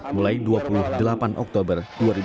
mulai dua puluh delapan oktober dua ribu enam belas